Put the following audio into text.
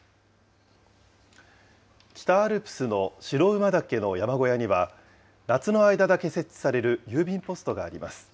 北アルプスの白馬岳の山小屋には、夏の間だけ設置される郵便ポストがあります。